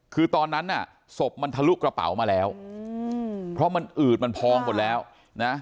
คือตอนนั้นน่ะศพมันทะลุกระเป๋ามาแล้วเพราะมันอืดมันพองหมดแล้วนะ